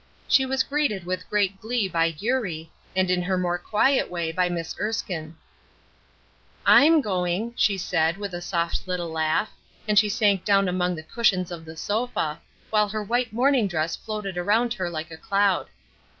She was greeted with great glee by Eurie, and in her more quiet way by Miss Erskine. "I'm going," she said, with a soft little laugh, and she sank down among the cushions of the sofa, while her white morning dress floated around her like a cloud.